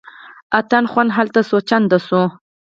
اتڼ خوند هلته څو چنده شو.